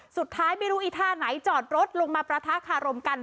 สุดท้ายไม่รู้อีท่าไหนจอดรถลงมาประทะคารมกัน